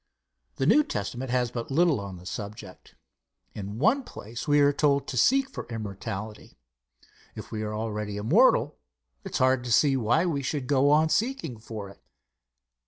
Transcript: The New Testament has but little on the subject. In one place we are told to seek for immortality. If we are already immortal, it is hard to see why we should go on seeking for it.